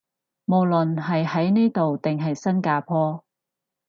無論係喺呢度定新加坡